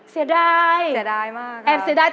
เสียดาย